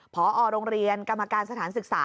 พอโรงเรียนกรรมการสถานศึกษา